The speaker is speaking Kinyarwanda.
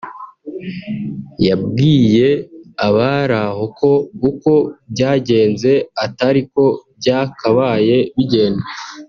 yabwiye abari aho ko uko byagenze atari ko byakabaye bigenda